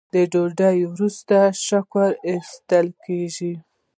د ډوډۍ وروسته شکر ایستل کیږي.